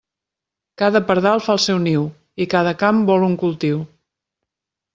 Cada pardal fa el seu niu i cada camp vol un cultiu.